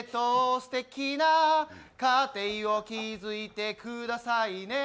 すてきな家庭を築いてくださいね。